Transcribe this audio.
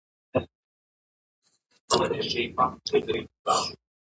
ملالۍ د نومیالۍ ښځو څخه ده.